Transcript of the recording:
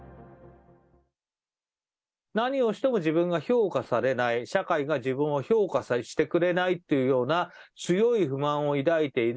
何をしても自分が評価されない、社会が自分を評価してくれないっていうような強い不満を抱いている。